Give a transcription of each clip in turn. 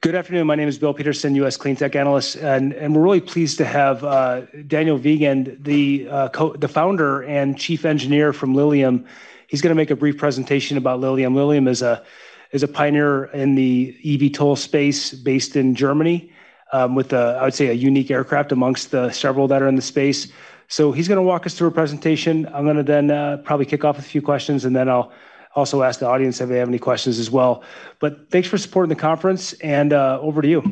Good afternoon. My name is Bill Peterson, U.S. CleanTech analyst, and we're really pleased to have Daniel Wiegand, the founder and chief engineer from Lilium. He's going to make a brief presentation about Lilium. Lilium is a pioneer in the eVTOL space based in Germany, with, I would say, a unique aircraft amongst the several that are in the space. So he's going to walk us through a presentation. I'm going to then probably kick off with a few questions, and then I'll also ask the audience if they have any questions as well. But thanks for supporting the conference, and over to you.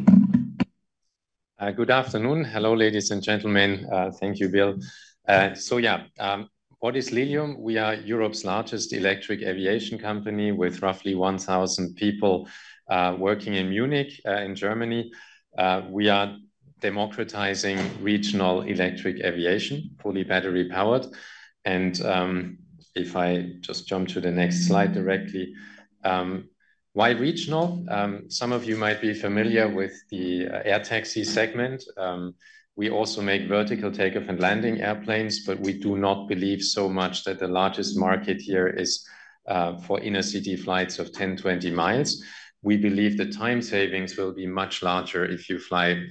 Good afternoon. Hello, ladies and gentlemen. Thank you, Bill. So yeah, what is Lilium? We are Europe's largest electric aviation company with roughly 1,000 people working in Munich, in Germany. We are democratizing regional electric aviation, fully battery-powered. And if I just jump to the next slide directly. Why regional? Some of you might be familiar with the air taxi segment. We also make vertical takeoff and landing airplanes, but we do not believe so much that the largest market here is for inner-city flights of 10, 20 miles. We believe the time savings will be much larger if you fly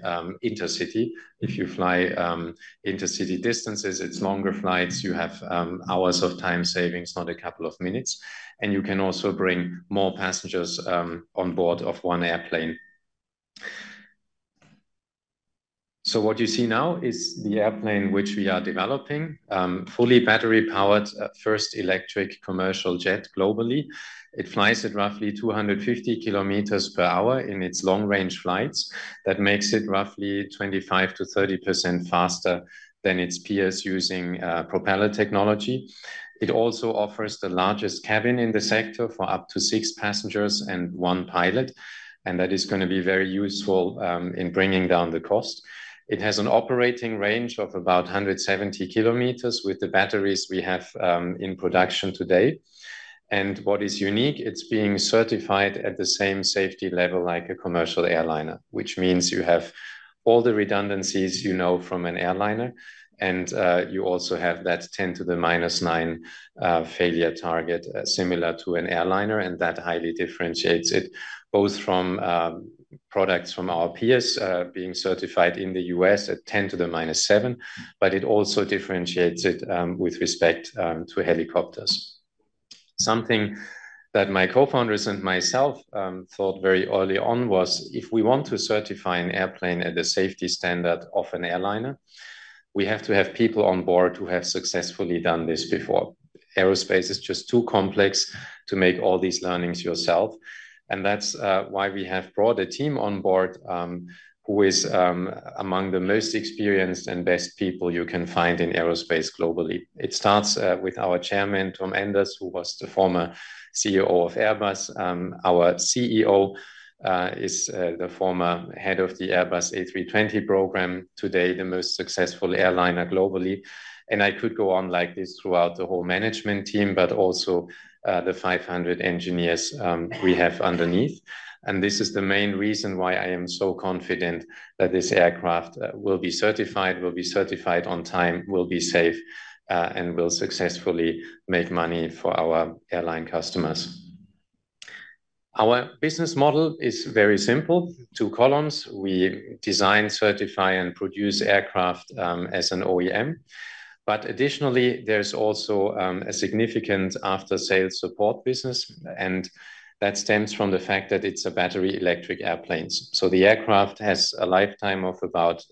intercity. If you fly intercity distances, it's longer flights. You have hours of time savings, not a couple of minutes. And you can also bring more passengers on board of one airplane. What you see now is the airplane which we are developing, fully battery-powered, first electric commercial jet globally. It flies at roughly 250 km/h in its long-range flights. That makes it roughly 25%-30% faster than its peers using propeller technology. It also offers the largest cabin in the sector for up to six passengers and one pilot. That is going to be very useful in bringing down the cost. It has an operating range of about 170 km with the batteries we have in production today. What is unique? It's being certified at the same safety level like a commercial airliner, which means you have all the redundancies you know from an airliner. You also have that 10 to the -9 failure target, similar to an airliner, and that highly differentiates it both from products from our peers being certified in the U.S. at 10 to the -7, but it also differentiates it with respect to helicopters. Something that my co-founders and myself thought very early on was, if we want to certify an airplane at the safety standard of an airliner, we have to have people on board who have successfully done this before. Aerospace is just too complex to make all these learnings yourself. And that's why we have brought a team on board who is among the most experienced and best people you can find in aerospace globally. It starts with our chairman, Tom Enders, who was the former CEO of Airbus. Our CEO is the former head of the Airbus A320 program, today the most successful airliner globally. I could go on like this throughout the whole management team, but also the 500 engineers we have underneath. This is the main reason why I am so confident that this aircraft will be certified, will be certified on time, will be safe, and will successfully make money for our airline customers. Our business model is very simple, two columns. We design, certify, and produce aircraft as an OEM. But additionally, there's also a significant after-sales support business, and that stems from the fact that it's battery electric airplanes. The aircraft has a lifetime of about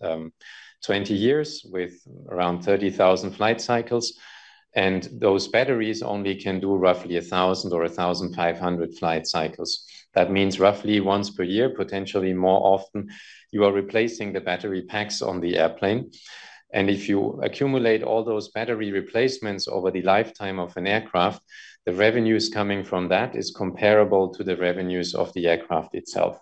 20 years with around 30,000 flight cycles. Those batteries only can do roughly 1,000 or 1,500 flight cycles. That means roughly once per year, potentially more often, you are replacing the battery packs on the airplane. If you accumulate all those battery replacements over the lifetime of an aircraft, the revenues coming from that is comparable to the revenues of the aircraft itself.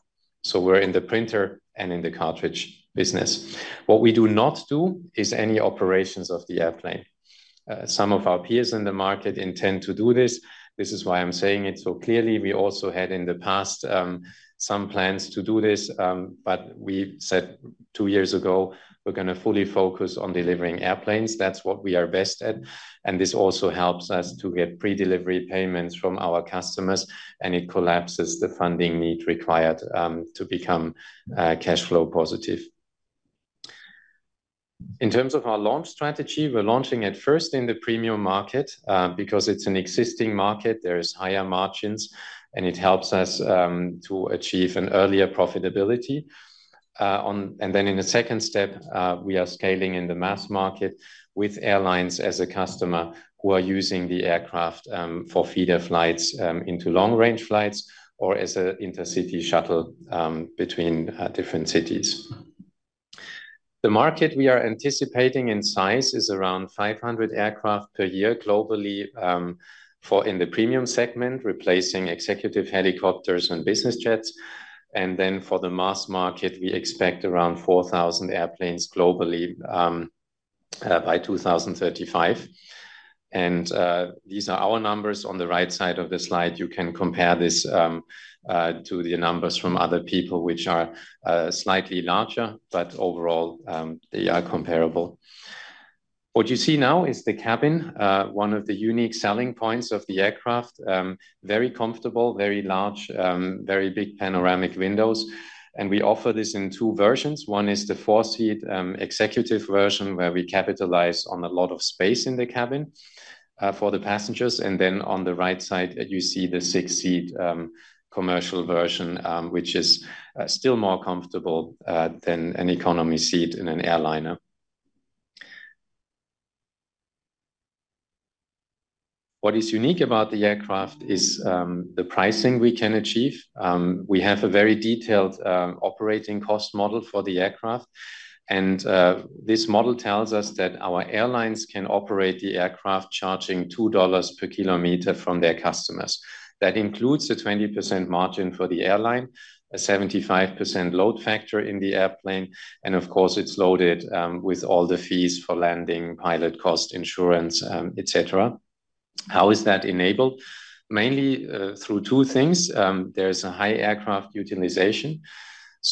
We're in the printer and in the cartridge business. What we do not do is any operations of the airplane. Some of our peers in the market intend to do this. This is why I'm saying it so clearly. We also had in the past some plans to do this, but we said two years ago, we're going to fully focus on delivering airplanes. That's what we are best at. This also helps us to get pre-delivery payments from our customers, and it collapses the funding need required to become cash flow positive. In terms of our launch strategy, we're launching at first in the premium market because it's an existing market. There are higher margins, and it helps us to achieve an earlier profitability. Then in a second step, we are scaling in the mass market with airlines as a customer who are using the aircraft for feeder flights into long-range flights or as an intercity shuttle between different cities. The market we are anticipating in size is around 500 aircraft per year globally for the premium segment, replacing executive helicopters and business jets. Then for the mass market, we expect around 4,000 airplanes globally by 2035. These are our numbers. On the right side of the slide, you can compare this to the numbers from other people, which are slightly larger, but overall, they are comparable. What you see now is the cabin, one of the unique selling points of the aircraft. Very comfortable, very large, very big panoramic windows. We offer this in two versions. One is the four-seat executive version, where we capitalize on a lot of space in the cabin for the passengers. Then on the right side, you see the six-seat commercial version, which is still more comfortable than an economy seat in an airliner. What is unique about the aircraft is the pricing we can achieve. We have a very detailed operating cost model for the aircraft. This model tells us that our airlines can operate the aircraft charging $2 per kilometer from their customers. That includes a 20% margin for the airline, a 75% load factor in the airplane. Of course, it's loaded with all the fees for landing, pilot cost, insurance, etc. How is that enabled? Mainly through two things. There's a high aircraft utilization.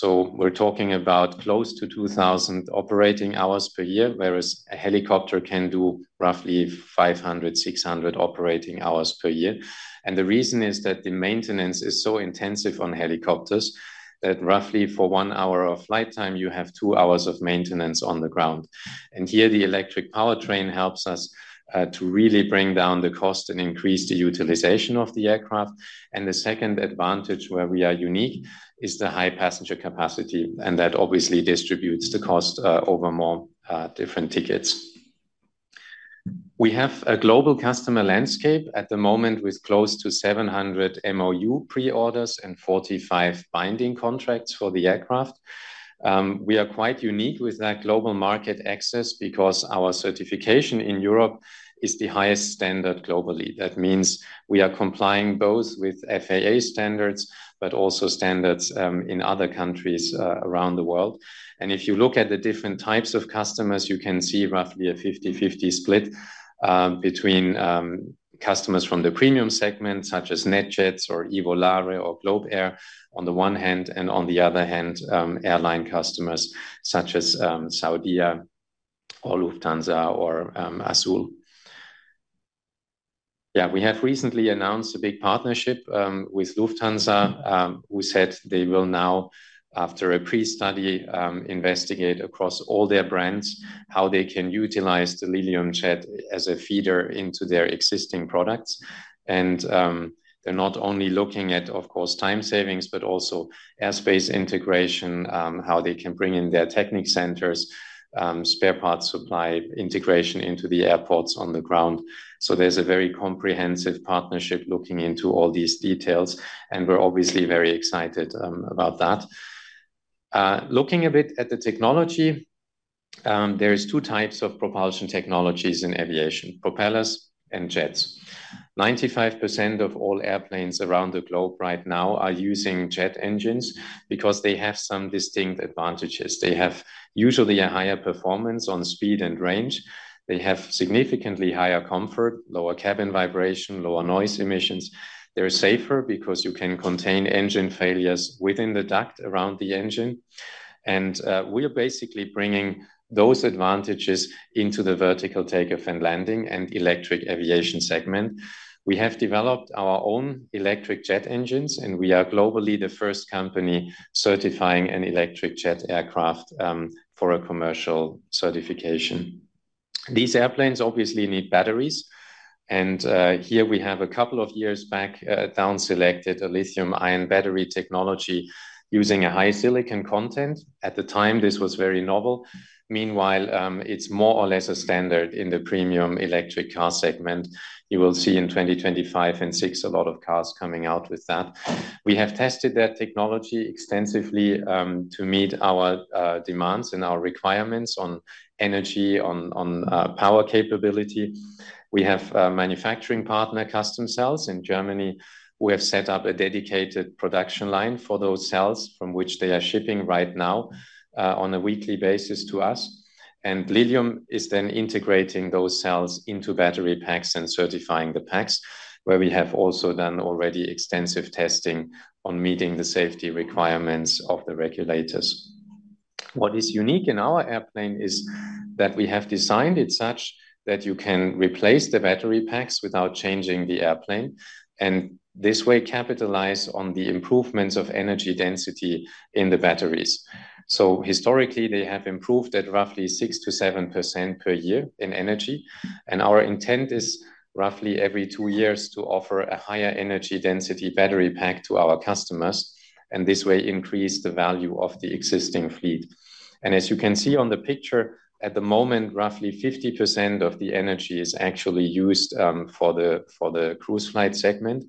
We're talking about close to 2,000 operating hours per year, whereas a helicopter can do roughly 500 to 600 operating hours per year. The reason is that the maintenance is so intensive on helicopters that roughly for one hour of flight time, you have two hours of maintenance on the ground. Here, the electric powertrain helps us to really bring down the cost and increase the utilization of the aircraft. The second advantage where we are unique is the high passenger capacity, and that obviously distributes the cost over more different tickets. We have a global customer landscape at the moment with close to 700 MOU pre-orders and 45 binding contracts for the aircraft. We are quite unique with that global market access because our certification in Europe is the highest standard globally. That means we are complying both with FAA standards, but also standards in other countries around the world. If you look at the different types of customers, you can see roughly a 50/50 split between customers from the premium segment, such as NetJets or Evolare or GlobeAir on the one hand, and on the other hand, airline customers such as Saudia or Lufthansa or Azul. Yeah, we have recently announced a big partnership with Lufthansa, who said they will now, after a pre-study, investigate across all their brands how they can utilize the Lilium Jet as a feeder into their existing products. They're not only looking at, of course, time savings, but also airspace integration, how they can bring in their technical centers, spare parts supply, integration into the airports on the ground. So there's a very comprehensive partnership looking into all these details, and we're obviously very excited about that. Looking a bit at the technology, there are two types of propulsion technologies in aviation: propellers and jets. 95% of all airplanes around the globe right now are using jet engines because they have some distinct advantages. They have usually a higher performance on speed and range. They have significantly higher comfort, lower cabin vibration, lower noise emissions. They're safer because you can contain engine failures within the duct around the engine. And we're basically bringing those advantages into the vertical takeoff and landing and electric aviation segment. We have developed our own electric jet engines, and we are globally the first company certifying an electric jet aircraft for a commercial certification. These airplanes obviously need batteries. Here we have, a couple of years back, down-selected a lithium-ion battery technology using a high silicon content. At the time, this was very novel. Meanwhile, it's more or less a standard in the premium electric car segment. You will see in 2025 and 2026 a lot of cars coming out with that. We have tested that technology extensively to meet our demands and our requirements on energy, on power capability. We have manufacturing partner Customcells. In Germany, we have set up a dedicated production line for those cells from which they are shipping right now on a weekly basis to us. Lilium is then integrating those cells into battery packs and certifying the packs, where we have also done already extensive testing on meeting the safety requirements of the regulators. What is unique in our airplane is that we have designed it such that you can replace the battery packs without changing the airplane, and this way capitalize on the improvements of energy density in the batteries. So historically, they have improved at roughly 6% to 7% per year in energy. Our intent is roughly every two years to offer a higher energy density battery pack to our customers, and this way increase the value of the existing fleet. As you can see on the picture, at the moment, roughly 50% of the energy is actually used for the cruise flight segment,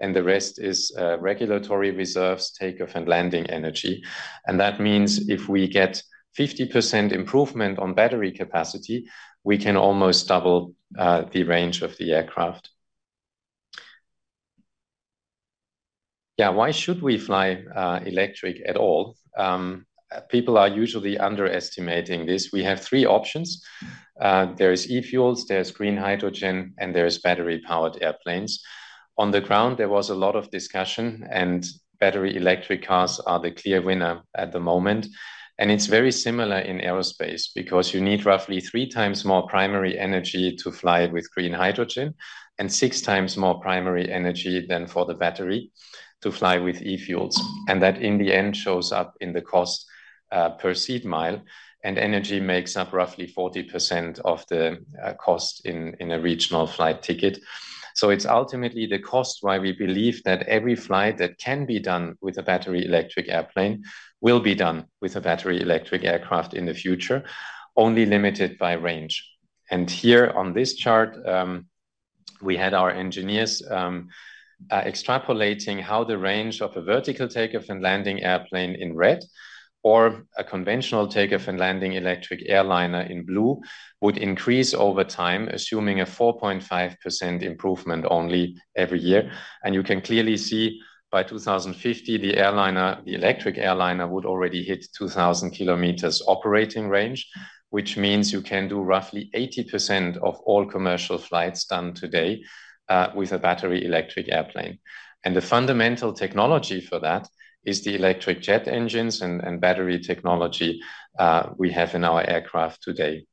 and the rest is regulatory reserves, takeoff and landing energy. That means if we get 50% improvement on battery capacity, we can almost double the range of the aircraft. Yeah, why should we fly electric at all? People are usually underestimating this. We have three options. There are e-fuels, there's green hydrogen, and there are battery-powered airplanes. On the ground, there was a lot of discussion, and battery electric cars are the clear winner at the moment. It's very similar in aerospace because you need roughly three times more primary energy to fly with green hydrogen and six times more primary energy than for the battery to fly with e-fuels. That, in the end, shows up in the cost per seat mile, and energy makes up roughly 40% of the cost in a regional flight ticket. It's ultimately the cost why we believe that every flight that can be done with a battery electric airplane will be done with a battery electric aircraft in the future, only limited by range. Here, on this chart, we had our engineers extrapolating how the range of a vertical takeoff and landing airplane in red or a conventional takeoff and landing electric airliner in blue would increase over time, assuming a 4.5% improvement only every year. You can clearly see, by 2050, the airliner, the electric airliner, would already hit 2,000 kilometers operating range, which means you can do roughly 80% of all commercial flights done today with a battery electric airplane. The fundamental technology for that is the electric jet engines and battery technology we have in our aircraft today.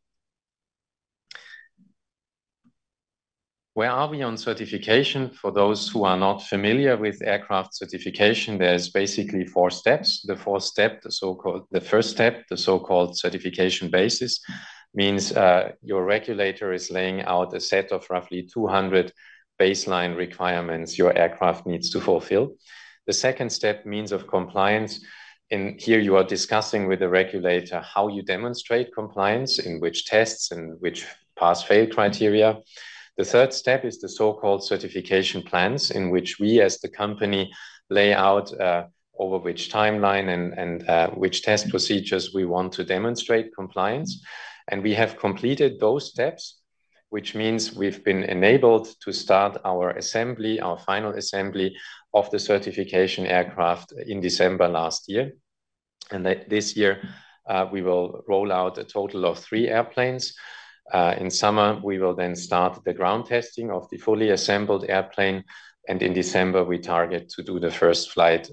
Where are we on certification? For those who are not familiar with aircraft certification, there are basically four steps. The so-called first step, the certification basis, means your regulator is laying out a set of roughly 200 baseline requirements your aircraft needs to fulfill. The second step: means of compliance. Here, you are discussing with the regulator how you demonstrate compliance, in which tests and which pass/fail criteria. The third step is the so-called certification plans, in which we, as the company, lay out over which timeline and which test procedures we want to demonstrate compliance. We have completed those steps, which means we've been enabled to start our assembly, our final assembly of the certification aircraft in December last year. This year, we will roll out a total of 3 airplanes. In summer, we will then start the ground testing of the fully assembled airplane. In December, we target to do the first flight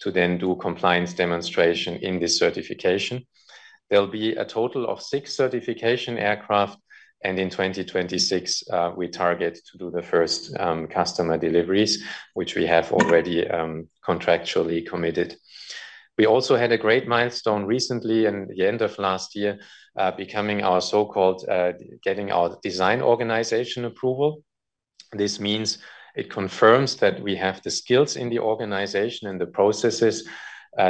to then do compliance demonstration in this certification. There'll be a total of 6 certification aircraft. In 2026, we target to do the first customer deliveries, which we have already contractually committed. We also had a great milestone recently, at the end of last year, becoming our so-called getting our Design Organization Approval. This means it confirms that we have the skills in the organization and the processes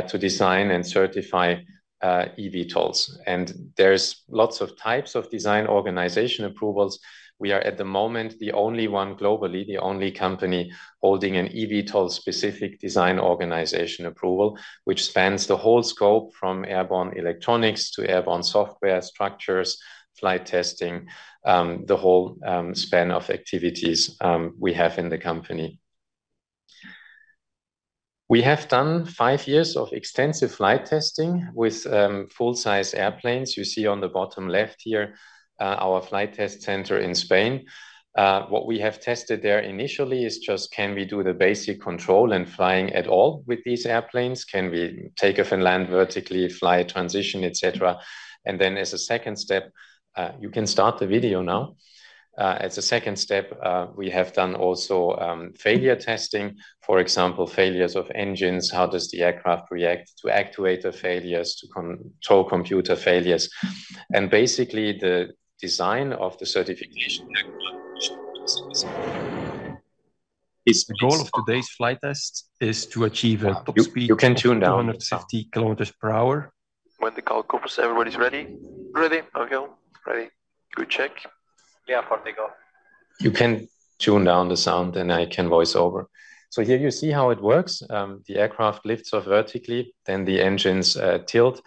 to design and certify eVTOLs. There are lots of types of design organization approvals. We are, at the moment, the only one globally, the only company holding an eVTOL-specific Design Organization Approval, which spans the whole scope from airborne electronics to airborne software structures, flight testing, the whole span of activities we have in the company. We have done five years of extensive flight testing with full-size airplanes. You see on the bottom left here our flight test center in Spain. What we have tested there initially is just, can we do the basic control and flying at all with these airplanes? Can we take off and land vertically, fly transition, etc.? And then as a second step, you can start the video now. As a second step, we have done also failure testing, for example, failures of engines, how does the aircraft react to actuator failures, to control computer failures? And basically, the design of the certification aircraft is in this area. You can tune down the sound, and I can voice over. So here, you see how it works. The aircraft lifts vertically, then the engines tilt.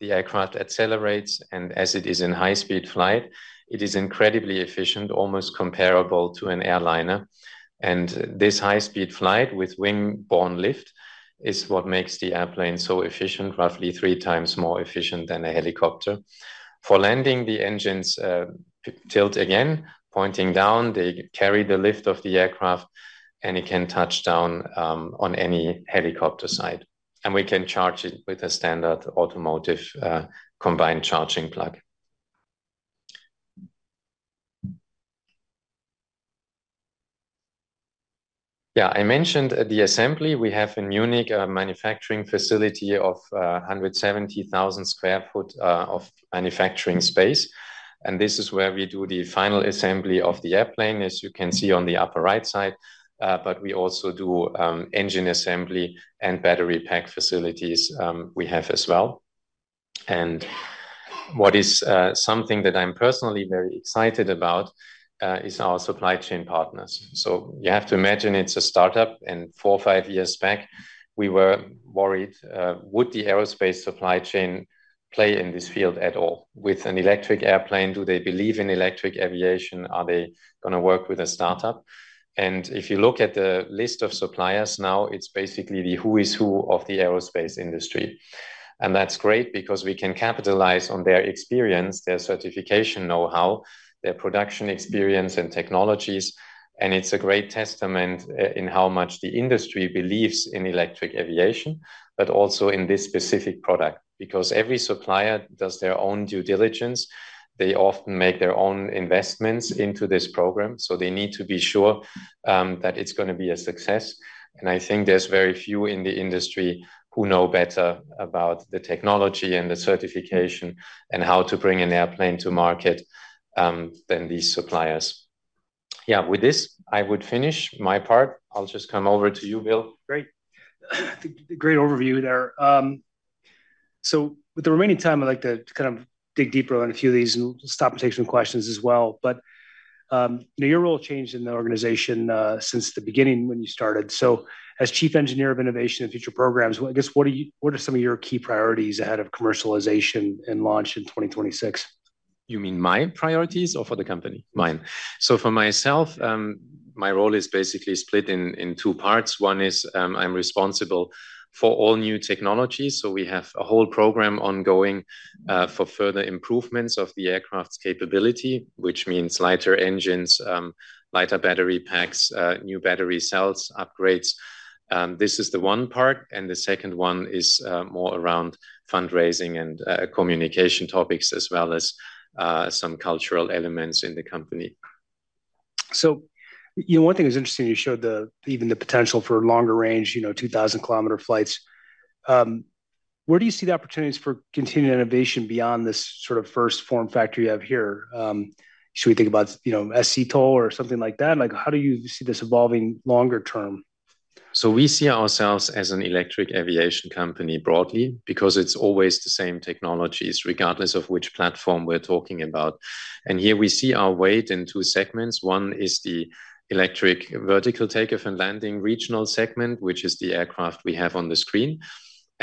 The aircraft accelerates. As it is in high-speed flight, it is incredibly efficient, almost comparable to an airliner. This high-speed flight with wing-borne lift is what makes the airplane so efficient, roughly three times more efficient than a helicopter. For landing, the engines tilt again, pointing down. They carry the lift of the aircraft, and it can touch down on any helicopter side. We can charge it with a standard automotive combined charging plug. Yeah, I mentioned the assembly. We have in Munich a manufacturing facility of 170,000 sq ft of manufacturing space. This is where we do the final assembly of the airplane, as you can see on the upper right side. But we also do engine assembly and battery pack facilities we have as well. What is something that I'm personally very excited about is our supply chain partners. You have to imagine it's a startup. 4 or 5 years back, we were worried, would the aerospace supply chain play in this field at all? With an electric airplane, do they believe in electric aviation? Are they going to work with a startup? If you look at the list of suppliers now, it's basically the who's who of the aerospace industry. That's great because we can capitalize on their experience, their certification know-how, their production experience and technologies. It's a great testament in how much the industry believes in electric aviation, but also in this specific product because every supplier does their own due diligence. They often make their own investments into this program So they need to be sure that it's going to be a success. I think there are very few in the industry who know better about the technology and the certification and how to bring an airplane to market than these suppliers. Yeah, with this, I would finish my part. I'll just come over to you, Bill. Great. Great overview there. So with the remaining time, I'd like to kind of dig deeper on a few of these and stop and take some questions as well. But your role changed in the organization since the beginning when you started. So as Chief Engineer of Innovation and Future Programs, I guess, what are some of your key priorities ahead of commercialization and launch in 2026? You mean my priorities or for the company? Mine. So for myself, my role is basically split in two parts. One is I'm responsible for all new technologies. So we have a whole program ongoing for further improvements of the aircraft's capability, which means lighter engines, lighter battery packs, new battery cells, upgrades. This is the one part. And the second one is more around fundraising and communication topics, as well as some cultural elements in the company. So one thing that's interesting, you showed even the potential for longer range, 2,000 km flights. Where do you see the opportunities for continued innovation beyond this sort of first form factor you have here? Should we think about eCTOLSCTOL or something like that? How do you see this evolving longer term? We see ourselves as an electric aviation company broadly because it's always the same technologies, regardless of which platform we're talking about. Here, we see our bet in two segments. One is the electric vertical takeoff and landing regional segment, which is the aircraft we have on the screen.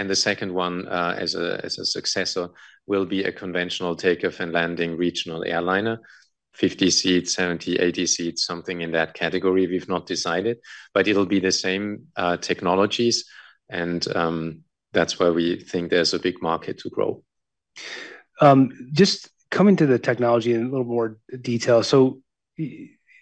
The second one, as a successor, will be a conventional takeoff and landing regional airliner, 50 seats, 70, 80 seats, something in that category. We've not decided, but it'll be the same technologies. That's where we think there's a big market to grow. Just coming to the technology in a little more detail, so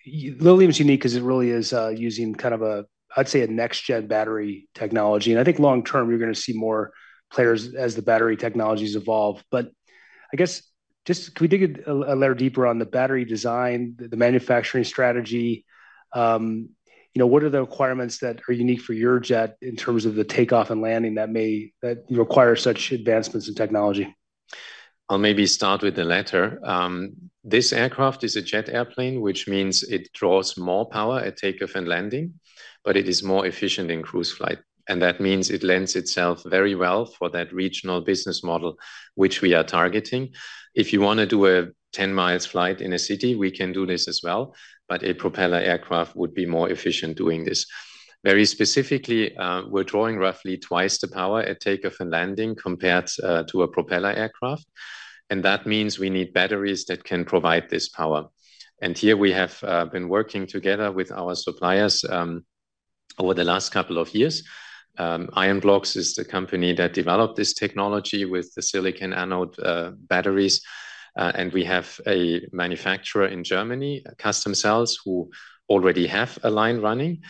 Lilium is unique because it really is using kind of a, I'd say, a next-gen battery technology. And I think long term, you're going to see more players as the battery technologies evolve. But I guess, just can we dig a layer deeper on the battery design, the manufacturing strategy? What are the requirements that are unique for your jet in terms of the takeoff and landing that require such advancements in technology? I'll maybe start with the latter. This aircraft is a jet airplane, which means it draws more power at takeoff and landing, but it is more efficient in cruise flight. And that means it lends itself very well for that regional business model, which we are targeting. If you want to do a 10-mile flight in a city, we can do this as well. But a propeller aircraft would be more efficient doing this. Very specifically, we're drawing roughly twice the power at takeoff and landing compared to a propeller aircraft. And that means we need batteries that can provide this power. And here, we have been working together with our suppliers over the last couple of years. InoBat is the company that developed this technology with the silicon anode batteries. And we have a manufacturer in Germany, Custom Cells, who already have a line running.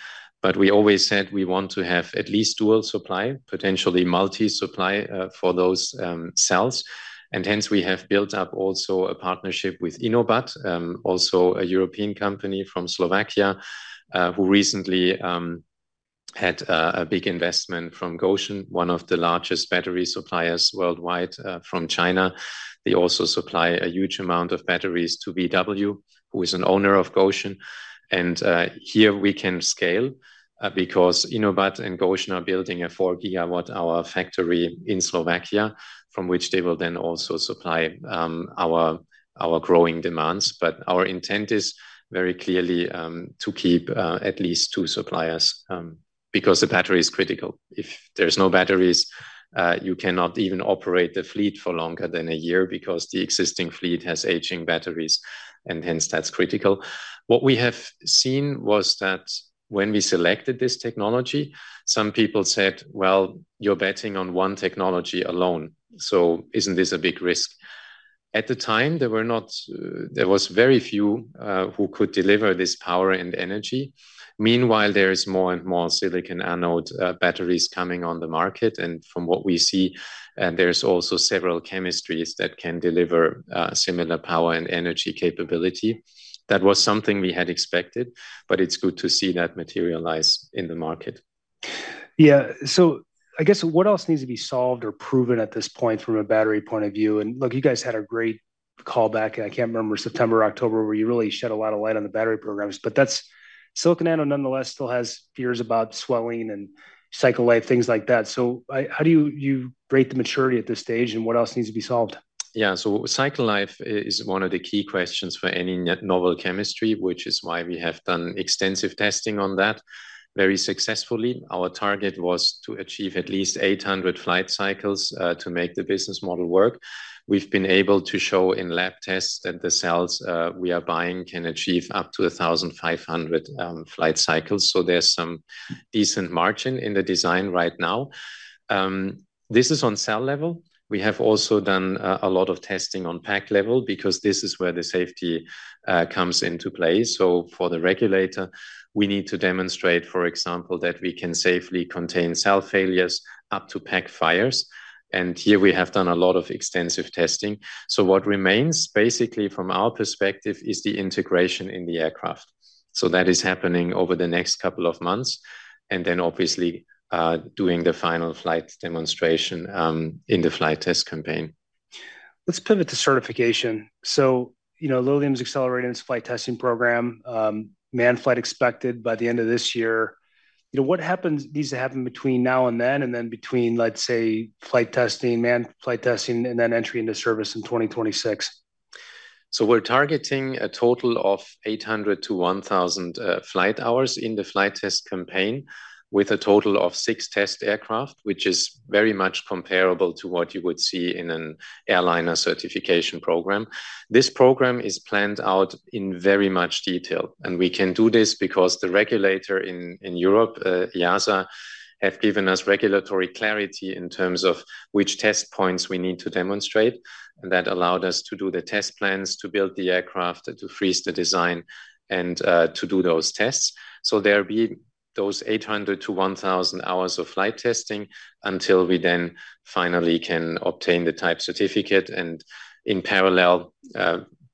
But we always said we want to have at least dual supply, potentially multi-supply for those cells. And hence, we have built up also a partnership with InoBat, also a European company from Slovakia, who recently had a big investment from Gotion, one of the largest battery suppliers worldwide, from China. They also supply a huge amount of batteries to VW, who is an owner of Gotion. And here, we can scale because InoBat and Gotion are building a 4 gigawatt-hour factory in Slovakia, from which they will then also supply our growing demands. But our intent is very clearly to keep at least two suppliers because the battery is critical. If there are no batteries, you cannot even operate the fleet for longer than a year because the existing fleet has aging batteries. And hence, that's critical. What we have seen was that when we selected this technology, some people said, "Well, you're betting on one technology alone. So isn't this a big risk?" At the time, there was very few who could deliver this power and energy. Meanwhile, there are more and more silicon anode batteries coming on the market. And from what we see, there are also several chemistries that can deliver similar power and energy capability. That was something we had expected. But it's good to see that materialize in the market. Yeah. So I guess, what else needs to be solved or proven at this point from a battery point of view? And look, you guys had a great callback, and I can't remember, September or October, where you really shed a lot of light on the battery programs. But silicon anode, nonetheless, still has fears about swelling and cycle life, things like that. So how do you rate the maturity at this stage, and what else needs to be solved? Yeah. So cycle life is one of the key questions for any novel chemistry, which is why we have done extensive testing on that very successfully. Our target was to achieve at least 800 flight cycles to make the business model work. We've been able to show in lab tests that the cells we are buying can achieve up to 1,500 flight cycles. So there's some decent margin in the design right now. This is on cell level. We have also done a lot of testing on pack level because this is where the safety comes into play. So for the regulator, we need to demonstrate, for example, that we can safely contain cell failures up to pack fires. And here, we have done a lot of extensive testing. So what remains, basically, from our perspective, is the integration in the aircraft. That is happening over the next couple of months and then, obviously, doing the final flight demonstration in the flight test campaign. Let's pivot to certification. So Lilium's accelerating its flight testing program, manned flight expected by the end of this year. What happens needs to happen between now and then and then between, let's say, flight testing, manned flight testing, and then entry into service in 2026? So we're targeting a total of 800 to 1,000 flight hours in the flight test campaign with a total of 6 test aircraft, which is very much comparable to what you would see in an airliner certification program. This program is planned out in very much detail. We can do this because the regulator in Europe, EASA, has given us regulatory clarity in terms of which test points we need to demonstrate. That allowed us to do the test plans, to build the aircraft, to freeze the design, and to do those tests. There will be those 800 to 1,000 hours of flight testing until we then finally can obtain the type certificate. In parallel,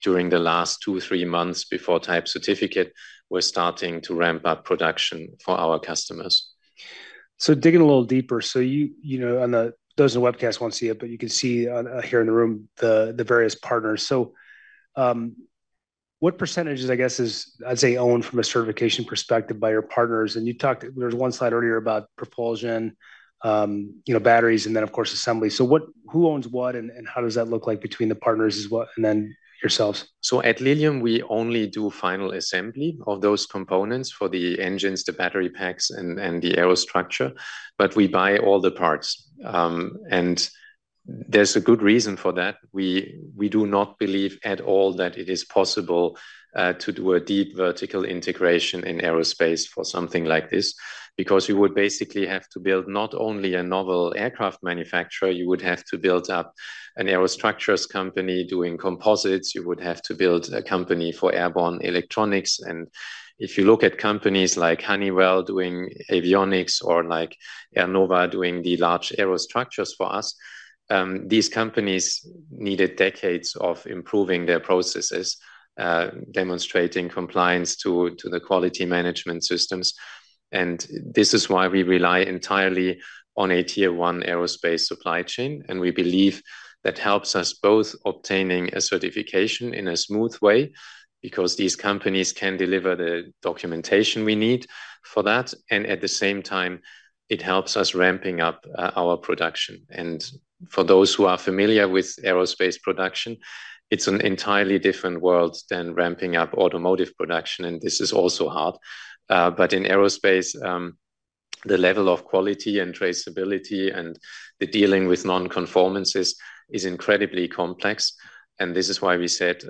during the last 2, 3 months before type certificate, we're starting to ramp up production for our customers. So digging a little deeper, so you and those in the webcast won't see it, but you can see here in the room the various partners. So what percentages, I guess, is, I'd say, owned from a certification perspective by your partners? And you talked there was one slide earlier about propulsion, batteries, and then, of course, assembly. So who owns what, and how does that look like between the partners and then yourselves? So at Lilium, we only do final assembly of those components for the engines, the battery packs, and the aero structure. But we buy all the parts. And there's a good reason for that. We do not believe at all that it is possible to do a deep vertical integration in aerospace for something like this because you would basically have to build not only a novel aircraft manufacturer. You would have to build up an aero structures company doing composites. You would have to build a company for airborne electronics. And if you look at companies like Honeywell doing avionics or likeAernnova doing the large aero structures for us, these companies needed decades of improving their processes, demonstrating compliance to the quality management systems. And this is why we rely entirely on a tier one aerospace supply chain. We believe that helps us both obtaining a certification in a smooth way because these companies can deliver the documentation we need for that. At the same time, it helps us ramping up our production. For those who are familiar with aerospace production, it's an entirely different world than ramping up automotive production. This is also hard. But in aerospace, the level of quality and traceability and the dealing with nonconformances is incredibly complex. This is why we said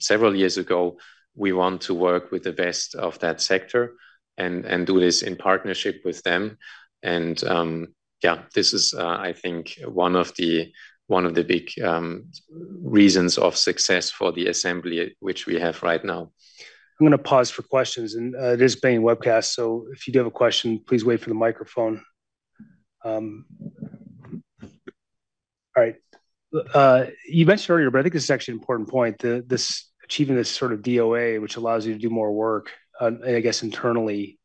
several years ago, we want to work with the best of that sector and do this in partnership with them. Yeah, this is, I think, one of the big reasons of success for the assembly, which we have right now. I'm going to pause for questions. It is being webcast. If you do have a question, please wait for the microphone. All right. You mentioned earlier, but I think this is actually an important point, achieving this sort of DOA, which allows you to do more work, I guess, internally.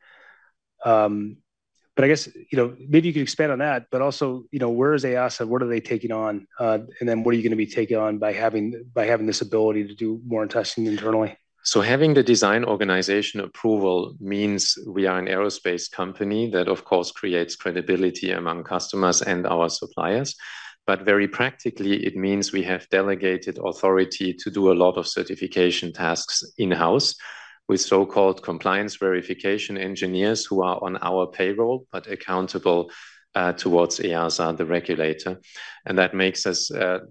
I guess maybe you could expand on that. Also, where is EASA? What are they taking on? And then what are you going to be taking on by having this ability to do more testing internally? So having the Design Organization Approval means we are an aerospace company that, of course, creates credibility among customers and our suppliers. But very practically, it means we have delegated authority to do a lot of certification tasks in-house with so-called Compliance Verification Engineers who are on our payroll but accountable towards EASA, the regulator. And that makes us, to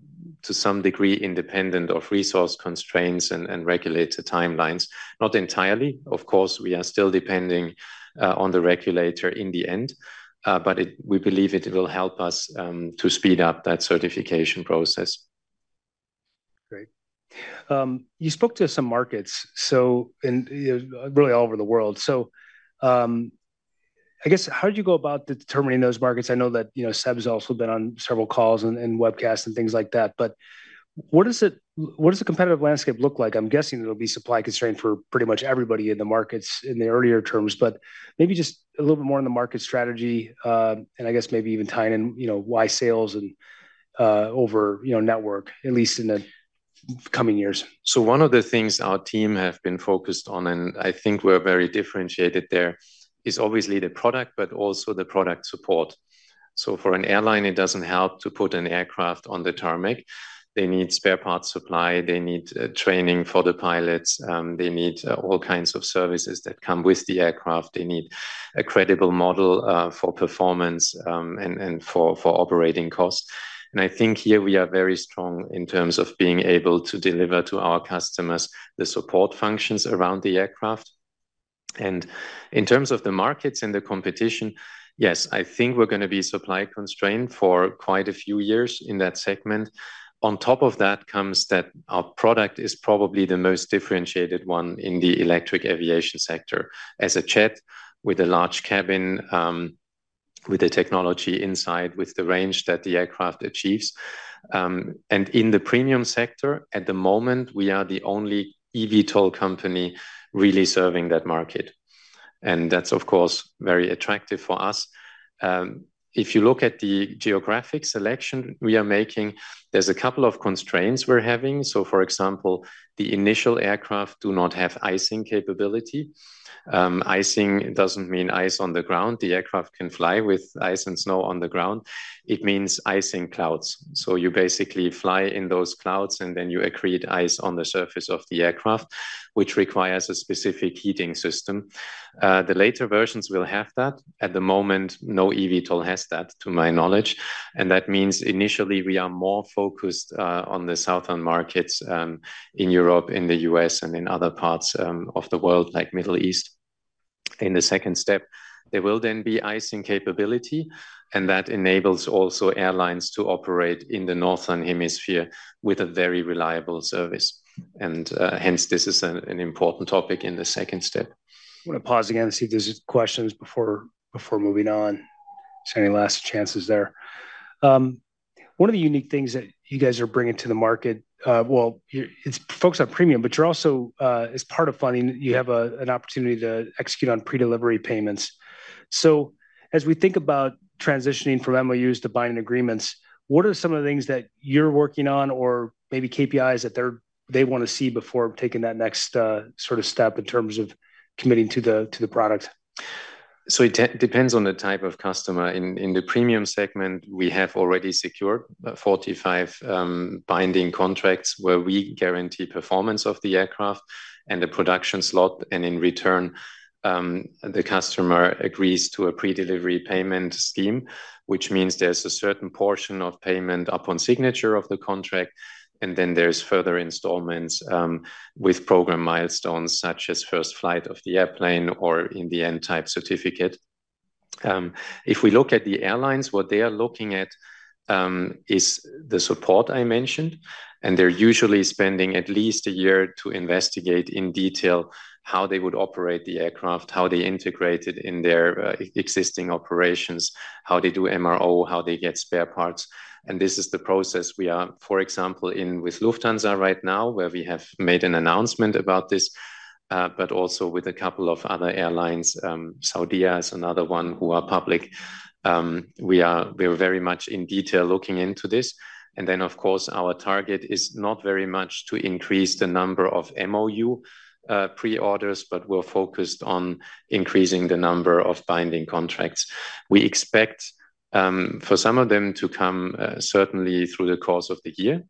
some degree, independent of resource constraints and regulated timelines. Not entirely. Of course, we are still depending on the regulator in the end. But we believe it will help us to speed up that certification process. Great. You spoke to some markets, really all over the world. So I guess, how did you go about determining those markets? I know that Seb's also been on several calls and webcasts and things like that. But what does the competitive landscape look like? I'm guessing it'll be supply constrained for pretty much everybody in the markets in the earlier terms. But maybe just a little bit more on the market strategy and, I guess, maybe even tying in why sales over network, at least in the coming years. So one of the things our team has been focused on, and I think we're very differentiated there, is obviously the product but also the product support. So for an airline, it doesn't help to put an aircraft on the tarmac. They need spare parts supply. They need training for the pilots. They need all kinds of services that come with the aircraft. They need a credible model for performance and for operating costs. And I think here, we are very strong in terms of being able to deliver to our customers the support functions around the aircraft. And in terms of the markets and the competition, yes, I think we're going to be supply constrained for quite a few years in that segment. On top of that comes that our product is probably the most differentiated one in the electric aviation sector as a jet with a large cabin, with the technology inside, with the range that the aircraft achieves. In the premium sector, at the moment, we are the only eVTOL company really serving that market. That's, of course, very attractive for us. If you look at the geographic selection we are making, there's a couple of constraints we're having. For example, the initial aircraft do not have icing capability. Icing doesn't mean ice on the ground. The aircraft can fly with ice and snow on the ground. It means icing clouds. So you basically fly in those clouds, and then you accrete ice on the surface of the aircraft, which requires a specific heating system. The later versions will have that. At the moment, no eVTOL has that, to my knowledge. That means, initially, we are more focused on the southern markets in Europe, in the U.S., and in other parts of the world, like the Middle East. In the second step, there will then be icing capability. That enables also airlines to operate in the northern hemisphere with a very reliable service. Hence, this is an important topic in the second step. I want to pause again to see if there are questions before moving on, see any last chances there. One of the unique things that you guys are bringing to the market, well, it's focused on premium, but you're also, as part of funding, you have an opportunity to execute on pre-delivery payments. So as we think about transitioning from MOUs to binding agreements, what are some of the things that you're working on or maybe KPIs that they want to see before taking that next sort of step in terms of committing to the product? It depends on the type of customer. In the premium segment, we have already secured 45 binding contracts where we guarantee performance of the aircraft and the production slot. In return, the customer agrees to a pre-delivery payment scheme, which means there's a certain portion of payment upon signature of the contract. Then there are further installments with program milestones such as first flight of the airplane or in the end Type Certificate. If we look at the airlines, what they are looking at is the support I mentioned. They're usually spending at least a year to investigate in detail how they would operate the aircraft, how they integrate it in their existing operations, how they do MRO, how they get spare parts. This is the process we are, for example, in with Lufthansa right now, where we have made an announcement about this, but also with a couple of other airlines. Saudia is another one who are public. We are very much in detail looking into this. Then, of course, our target is not very much to increase the number of MOU pre-orders, but we're focused on increasing the number of binding contracts. We expect for some of them to come, certainly, through the course of the year.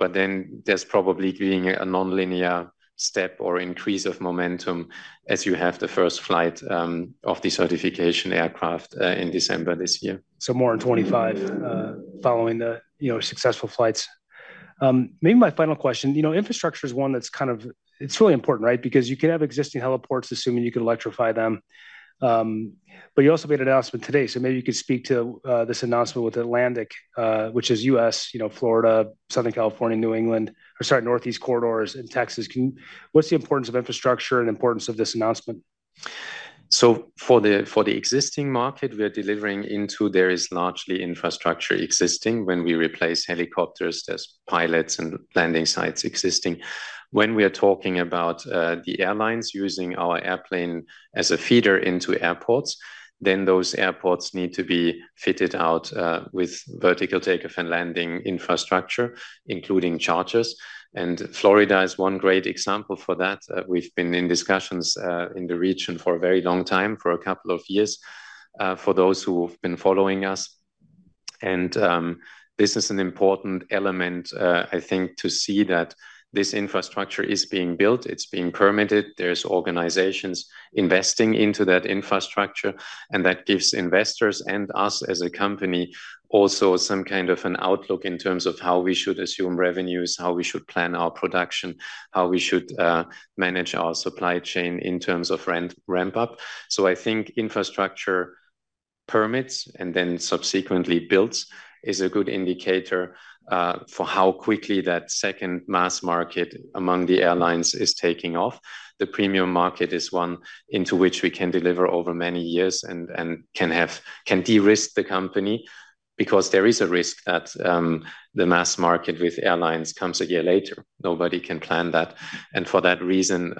Then there's probably being a nonlinear step or increase of momentum as you have the first flight of the certification aircraft in December this year. So more in 2025 following the successful flights. Maybe my final question, infrastructure is one that's kind of it's really important, right, because you could have existing heliports, assuming you could electrify them. But you also made an announcement today. So maybe you could speak to this announcement with Atlantic, which is U.S., Florida, Southern California, New England, or sorry, Northeast Corridor in Texas. What's the importance of infrastructure and the importance of this announcement? So for the existing market we are delivering into, there is largely infrastructure existing. When we replace helicopters, there's pilots and landing sites existing. When we are talking about the airlines using our airplane as a feeder into airports, then those airports need to be fitted out with vertical takeoff and landing infrastructure, including chargers. Florida is one great example for that. We've been in discussions in the region for a very long time, for a couple of years, for those who have been following us. This is an important element, I think, to see that this infrastructure is being built. It's being permitted. There are organizations investing into that infrastructure. That gives investors and us as a company also some kind of an outlook in terms of how we should assume revenues, how we should plan our production, how we should manage our supply chain in terms of ramp-up. I think infrastructure permits and then subsequently builds is a good indicator for how quickly that second mass market among the airlines is taking off. The premium market is one into which we can deliver over many years and can de-risk the company because there is a risk that the mass market with airlines comes a year later. Nobody can plan that. For that reason,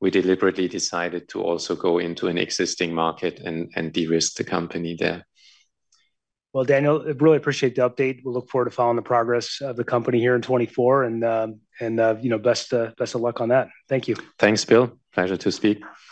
we deliberately decided to also go into an existing market and de-risk the company there. Well, Daniel, I really appreciate the update. We'll look forward to following the progress of the company here in 2024. Best of luck on that. Thank you. Thanks, Bill. Pleasure to speak.